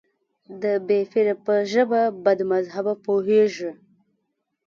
د بې پيره په ژبه بدمذهبه پوهېږي.